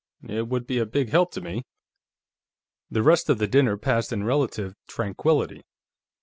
It would be a big help to me." The rest of the dinner passed in relative tranquillity.